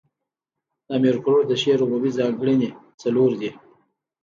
د امیر کروړ د شعر عمومي ځانګړني، څلور دي.